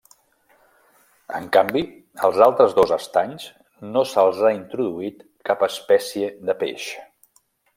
En canvi als altres dos estanys no se'ls ha introduït cap espècie de peix.